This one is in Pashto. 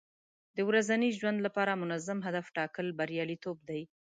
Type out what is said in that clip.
د ورځني ژوند لپاره منظم هدف ټاکل بریالیتوب دی.